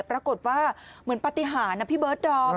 ปรากฏว่าเหมือนปฏิหารนะพี่เบิร์ดดอม